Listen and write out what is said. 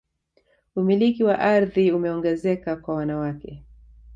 umiliki wa ardhi umeongezeka kwa wanawake